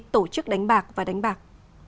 tổ chức đánh bạc và đánh bạc